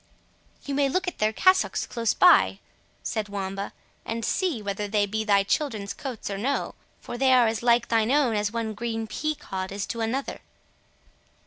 "You may look at their cassocks close by," said Wamba, "and see whether they be thy children's coats or no—for they are as like thine own, as one green pea cod is to another."